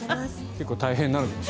結構大変なのかも。